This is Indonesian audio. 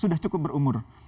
sudah cukup berumur